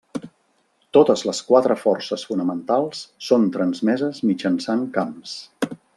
Totes les quatre forces fonamentals són transmeses mitjançant camps.